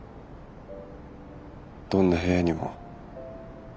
どんな部屋にも。